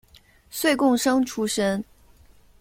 岁贡生出身。